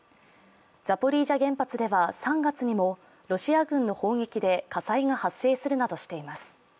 ザポリージャ原発では３月にもロシア軍の砲撃で火災が発生するなどしています。